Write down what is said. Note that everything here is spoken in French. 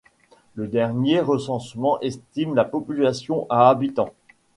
Le dernier recensement estime la population à habitants.